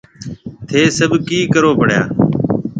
ٿَي سڀ ڪِي ڪرو پيڙيا؟